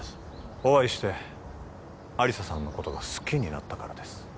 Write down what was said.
お会いして亜理紗さんのことが好きになったからです